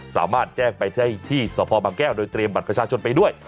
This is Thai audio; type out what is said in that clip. สามารถแจ้งไปได้ที่สพบางแก้วโดยเตรียมบัตรประชาชนไปด้วย